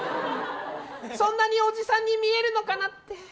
そんなにおじさんに見えるのかなって。